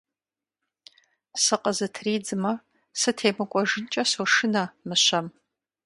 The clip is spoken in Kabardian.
Сыкъызытридзмэ, сытемыкӀуэжынкӀэ сошынэ мыщэм.